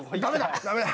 ダメだ！